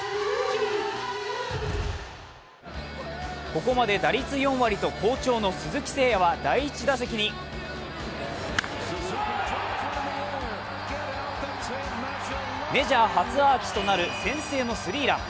ここまで打率４割と好調の鈴木誠也は第１打席にメジャー初アーチとなる先制のスリーラン。